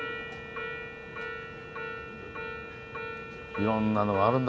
いろんなのがあるんだ